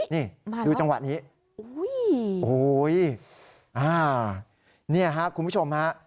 นี่ดูจังหวะนี้โอ้โหเนี่ยครับคุณผู้ชมฮะ